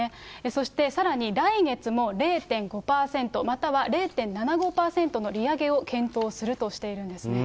そして、さらに来月も０．５％、または０．７５％の利上げを検討するとしているんですね。